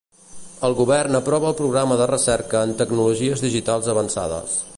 El Govern aprova el programa de recerca en tecnologies digitals avançades.